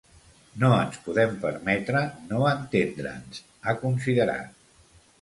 No ens podem permetre no entendre’ns, ha considerat.